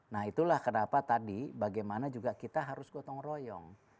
nah itulah kenapa tadi bagaimana juga kita harus gotong royong